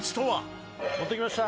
富澤：持ってきました。